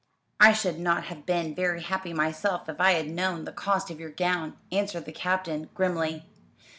"I should not have been very happy myself if I had known the cost of your gown," answered the Captain grimly.